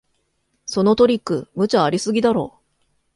そのトリック、無茶ありすぎだろ